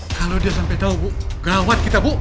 kalau dia sampai tahu bu gawat kita bu